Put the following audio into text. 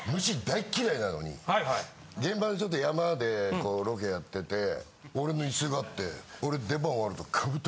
現場でちょっと山でロケやってて俺のイスがあって俺出番終わると。